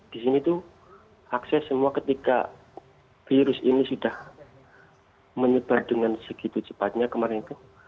di sini tuh akses semua ketika virus ini sudah menyebar dengan segitu cepatnya kemarin tuh